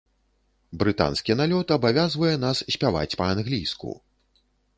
Брытанскі налёт абавязвае нас спяваць па-англійску.